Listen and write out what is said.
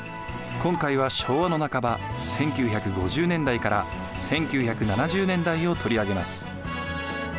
今回は昭和の半ば１９５０年代から１９７０年代を取り上げます。